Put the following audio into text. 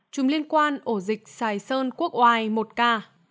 chùm liên quan ổ dịch sài sơn quốc oai một ca